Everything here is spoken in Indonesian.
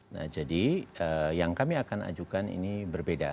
nah jadi yang kami akan ajukan ini berbeda